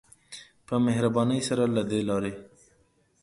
په مهربانی سره له دی لاری.